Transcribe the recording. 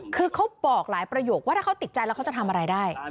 คือเขาบอกหลายประโยคว่าถ้าเขาติดใจแล้วเขาจะทำอะไรได้